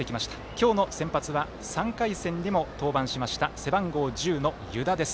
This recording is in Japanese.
今日の先発は３回戦でも登板しました背番号１０の湯田です。